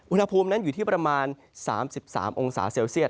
อุณหภูมินั้นอยู่ที่ประมาณ๓๓องศาเซลเซียต